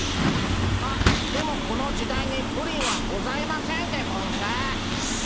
あっでもこの時代にプリンはございませんでゴンス。